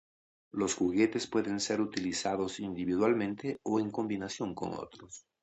Los juguetes pueden ser utilizados individualmente o en combinación con otros.